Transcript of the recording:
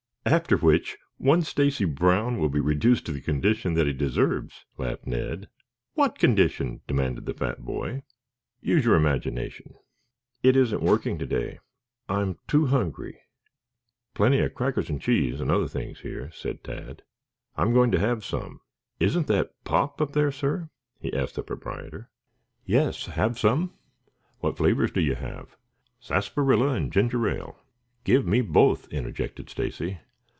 "After which, one Stacy Brown will be reduced to the condition that he deserves," laughed Ned. "What condition?" demanded the fat boy. "Use your imagination." "It isn't working to day. I'm too hungry." "Plenty of crackers and cheese and other things here," said Tad. "I am going to have some. Isn't that 'pop' up there, sir?" he asked the proprietor. "Yes; have some?" "What flavors have you?" "Sarsaparilla and ginger ale." "Give me both," interjected Stacy.